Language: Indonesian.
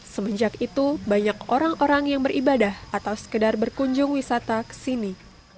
semenjak itu banyak orang orang yang beribadah atau sekedar berkunjung wisata ke sini